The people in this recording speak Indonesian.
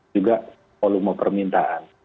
juga volume permintaan